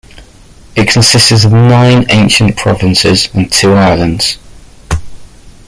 It consisted of nine ancient provinces and two islands.